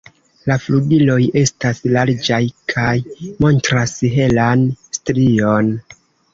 La flugiloj estas larĝaj kaj montras helan strion.